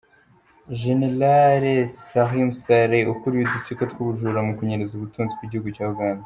Gen. Salim Saleh, ukuriye udutsiko tw’ubujura mu kunyereza ubutunzi bw’igihugu cya Uganda